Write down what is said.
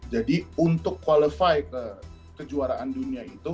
jadi untuk qualify kejuaraan dunia itu